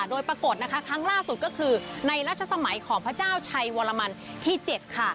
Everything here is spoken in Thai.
โดยปรากฏนะคะครั้งล่าสุดก็คือในรัชสมัยของพระเจ้าชัยวรมันที่๗ค่ะ